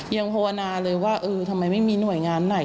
ภาวนาเลยว่าเออทำไมไม่มีหน่วยงานไหน